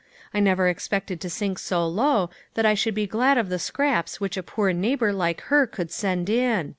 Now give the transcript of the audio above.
I never expected to sink so low that I should be glad of the scraps which a poor neighbor like her could send in.